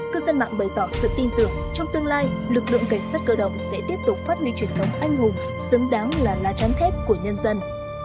cư dân mạng bày tỏ sự tin tưởng trong tương lai lực lượng cảnh sát cơ động sẽ tiếp tục phát huy truyền thống anh hùng xứng đáng là lá chắn thép của nhân dân